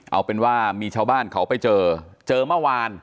เอาเป็นว่ามีชาวบ้านเขาไปเจอเจอเมื่อวาน